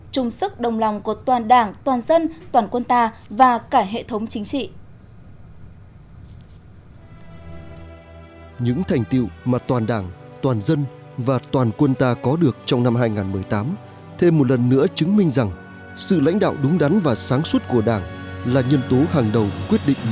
chung sức đồng lòng của toàn đảng toàn dân toàn quân ta và cả hệ thống chính trị